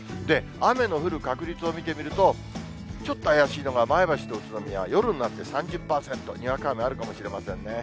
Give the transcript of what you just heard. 雨の降る確率を見てみると、ちょっと怪しいのが、前橋と宇都宮は夜になって３０％、にわか雨あるかもしれませんね。